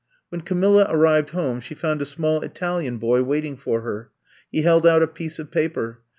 When Camilla arrived home she found a small Italian boy waiting for her. He held out a piece of paper.